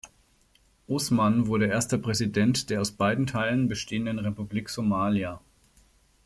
Osman wurde erster Präsident der aus beiden Teilen bestehenden Republik Somalia.